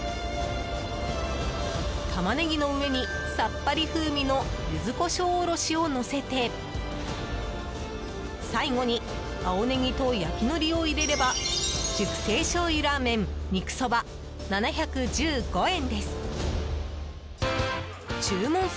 タマネギの上に、さっぱり風味のゆずこしょうおろしをのせて最後に青ネギと焼きのりを入れれば熟成醤油ラーメン肉そば７１５円です。